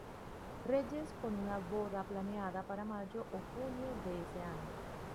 Reyes, con una boda planeada para mayo o junio de ese año.